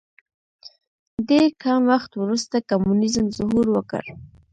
ډېر کم وخت وروسته کمونیزم ظهور وکړ.